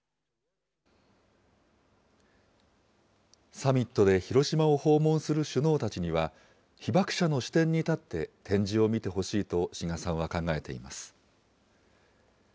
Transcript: サミットで広島を訪問する首脳たちには、被爆者の視点に立って展示を見てほしいと、志賀さんは考えています。